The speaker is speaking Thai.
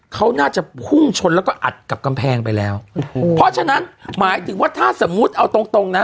เขาน่าจะพุ่งชนแล้วก็อัดกับกำแพงไปแล้วโอ้โหเพราะฉะนั้นหมายถึงว่าถ้าสมมุติเอาตรงตรงนะ